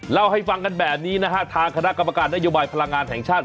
เล่าให้ฟังกันแบบนี้นะฮะทางคณะกรรมการนโยบายพลังงานแห่งชาติ